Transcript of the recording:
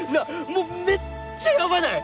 もうめっちゃやばない？